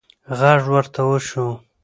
غږ ورته وشو: